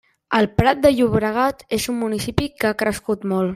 El Prat de Llobregat és un municipi que ha crescut molt.